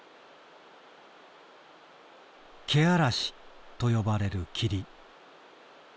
「けあらし」と呼ばれる霧。